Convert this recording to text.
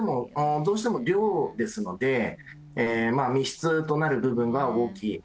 ただ、それでもどうしても寮ですので、密室となる部分が大きい。